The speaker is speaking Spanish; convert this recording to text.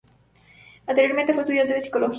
Anteriormente fue estudiante de psicología.